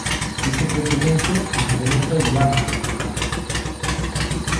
Este crecemento incrementa o diámetro da planta.